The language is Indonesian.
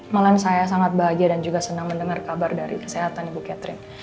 malah saya sangat bahagia dan juga senang mendengar kabar dari kesehatan ibu catherine